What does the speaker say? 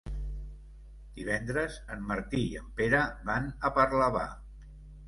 Divendres en Martí i en Pere van a Parlavà.